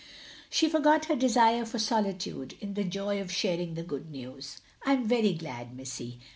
She forgot her desire for solitude, in the joy of sharing the good news. "I 'm very glad, missy."